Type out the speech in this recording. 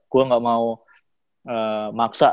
gue gak mau maksa